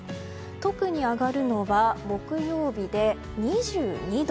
特に上がるのは木曜日で２２度。